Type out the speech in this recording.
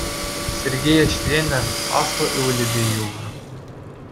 Сергей ӗҫленӗ, аслӑ ывӑлӗпе юлнӑ.